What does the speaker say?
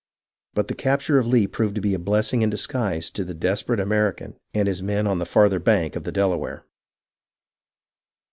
But the capture of Lee proved to be a blessing in disguise to the desperate American and his men on the farther bank of the Delaware.